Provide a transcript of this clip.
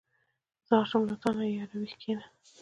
ځار شم له تانه ياره ویښ کېنه.